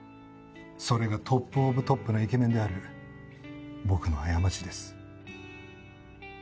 それがトップオブトップのイケメンである僕の過ちです。